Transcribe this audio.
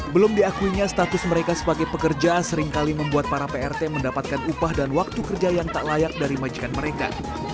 belum diakuinya status mereka sebagai pekerja seringkali membuat para prt mendapatkan upah dan waktu kerja yang tak layak dari majikan mereka